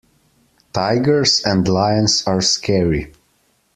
Tigers and lions are scary.